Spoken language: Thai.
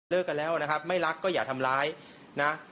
กันแล้วนะครับไม่รักก็อย่าทำร้ายนะ